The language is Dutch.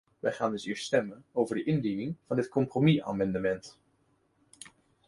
We gaan dus eerst stemmen over de indiening van dit compromisamendement.